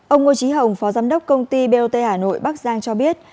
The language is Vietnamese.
ông ngo chí hồng phó giám đốc công ty bot hà nội bắc giang cho biết